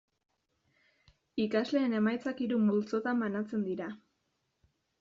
Ikasleen emaitzak hiru multzotan banatzen dira.